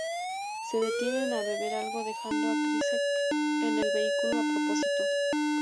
Se detienen a beber algo dejando a Krycek en el vehículo a propósito.